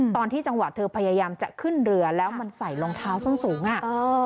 จังหวะเธอพยายามจะขึ้นเรือแล้วมันใส่รองเท้าส้นสูงอ่ะเออ